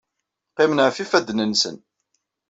Qqimen ɣef yifadden-nsen.